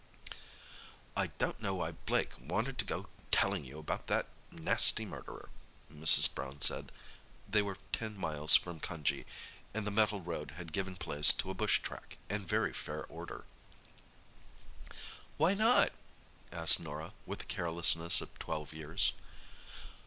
"I don't know why Blake wanted to go telling you about that nasty murderer," Mrs. Brown said. They were ten miles from Cunjee, and the metal road had given place to a bush track, in very fair order. "Why not?" asked Norah, with the carelessness of twelve years.